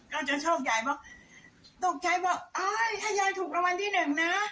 ก็จะโชคใหญ่บอกตุ๊กชัยบอกถ้ายายถูกรางวัลที่๑นะ